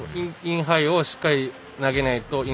インハイをしっかり投げないと。